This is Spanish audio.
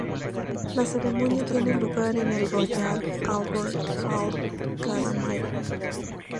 La ceremonia tiene lugar en el Royal Albert Hall cada mayo.